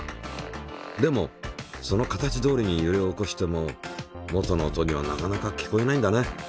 でもその形どおりにゆれを起こしても元の音にはなかなか聞こえないんだね。